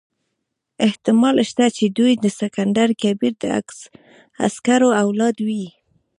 احتمال شته چې دوی د سکندر کبیر د عسکرو اولاد وي.